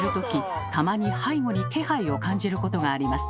たまに背後に気配を感じることがあります。